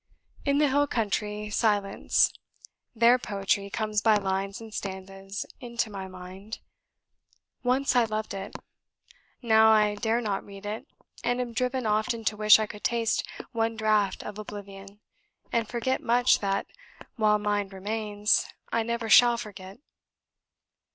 In the hill country silence, their poetry comes by lines and stanzas into my mind: once I loved it; now I dare not read it, and am driven often to wish I could taste one draught of oblivion, and forget much that, while mind remains, I never shall forget.